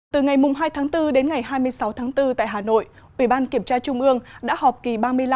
từ ngày hai tháng bốn đến ngày hai mươi sáu tháng bốn tại hà nội ủy ban kiểm tra trung ương đã họp kỳ ba mươi năm